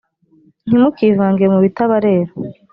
ntimukivange mubitabareba.